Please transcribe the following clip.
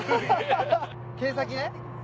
剣先ね。